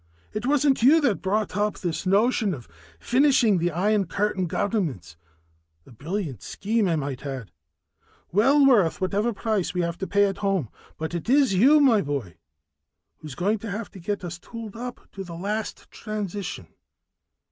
It wasn't you that thought up this notion of finishing the Iron Curtain governments a brilliant scheme, I might add, well worth whatever price we have to pay at home. "But it is you, my boy, who's going to have to get us tooled up to last the transition.